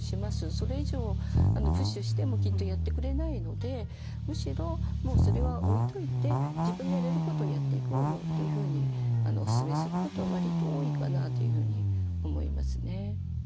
それ以上プッシュしてもきっとやってくれないのでむしろもうそれは置いといて自分がやれることをやっていこうよというふうにお勧めすることは割と多いかなというふうに思いますね。